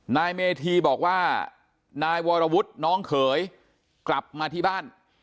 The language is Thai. นายเมธีบอกว่านายวรวุฒิน้องเขยกลับมาที่บ้าน